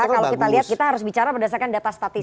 kalau kita lihat kita harus bicara berdasarkan data statistik